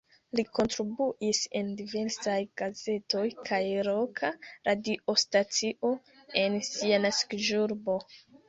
Li kontribuis en diversaj gazetoj kaj loka radiostacio en sia naskiĝurbo.